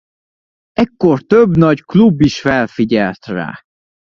Ekkor több nagy klub is felfigyelt rá.